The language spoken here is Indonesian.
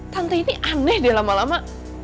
tante ini aneh deh lama lama